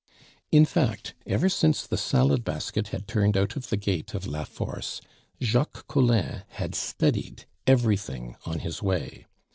In fact, ever since the "salad basket" had turned out of the gate of La Force, Jacques Collin had studied everything on his way.